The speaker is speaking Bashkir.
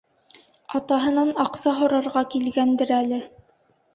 Атаһынан аҡса һорарға килгәндер әле.